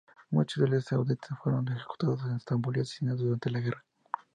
Muchos líderes sauditas fueron ejecutados en Estambul o asesinados durante la guerra.